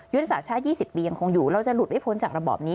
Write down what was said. ศาสตร์ชาติ๒๐ปียังคงอยู่เราจะหลุดให้พ้นจากระบอบนี้